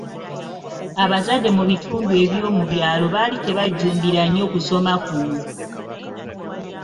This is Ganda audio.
Abazadde mu bitundu eby’omu byalo baali tebajjumbira nnyo kusoma kuno.